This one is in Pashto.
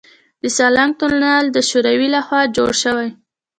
د سالنګ تونل د شوروي لخوا جوړ شو